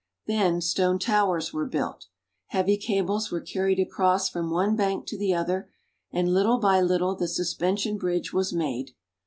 Then stone towers were built. Heavy cables were carried across from one bank to the other, and little by little the suspension bridge was made.